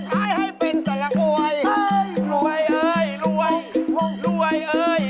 พาหลาเป็นตอนลาอะไรก็ได้